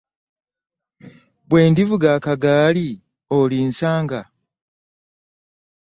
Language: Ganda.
Bwe ndivuga akagaali olinsanga?